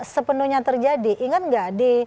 sepenuhnya terjadi ingat nggak di